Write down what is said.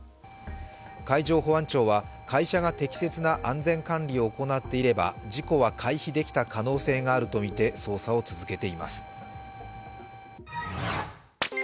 海上保安庁は会社が適切な安全管理を行っていれば事故は回避できた可能性があるとみて捜査を続けています。